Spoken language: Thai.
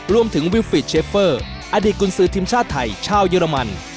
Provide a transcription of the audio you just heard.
วิวฟิดเชฟเฟอร์อดีตกุญสือทีมชาติไทยชาวเยอรมัน